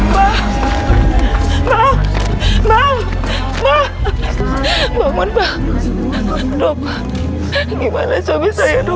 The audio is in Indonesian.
sampai jumpa di video selanjutnya